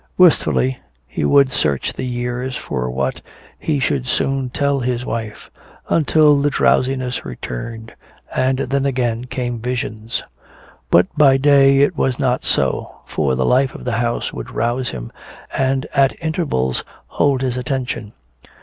Wistfully he would search the years for what he should soon tell his wife until the drowsiness returned, and then again came visions. But by day it was not so, for the life of the house would rouse him and at intervals hold his attention.